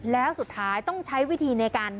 แล้วสุดท้ายต้องใช้วิธีในการ